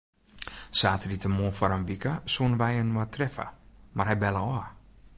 Saterdeitemoarn foar in wike soene wy inoar treffe, mar hy belle ôf.